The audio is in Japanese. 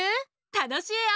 たのしいよ。